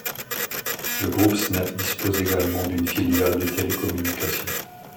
Le Groupe Snef dispose également d'une filiale de télécommunications.